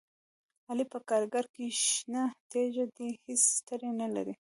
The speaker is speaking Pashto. علي په کارګرۍ کې شنه تیږه دی، هېڅ ستړیې نه لري.